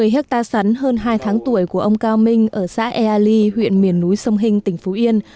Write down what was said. một mươi hectare sắn hơn hai tháng tuổi của ông cao minh ở xã ea ly huyện miền núi sông hinh tỉnh phú yên